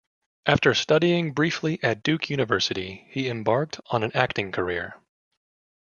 After studying briefly at Duke University, he embarked on an acting career.